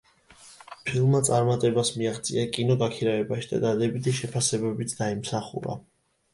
ფილმმა წარმატებას მიაღწია კინოგაქირავებაში და დადებითი შეფასებებიც დაიმსახურა.